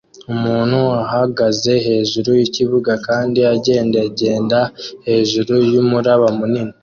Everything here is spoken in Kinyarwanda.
Umuntu ahagaze hejuru yikibuga kandi agendagenda hejuru yumuraba munini